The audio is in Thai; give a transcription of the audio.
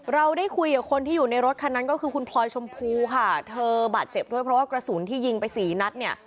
เราได้คุยกับคนที่อยู่ในรถคันนั้นก็คือคุณพลอยชมพูค่ะเธอบาดเจ็บด้วยเพราะว่ากระสุนที่ยิงไปสี่นัดเนี่ย